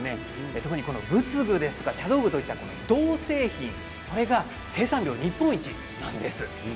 特に仏具や茶道具といった銅製品、これが生産量日本１位なんです。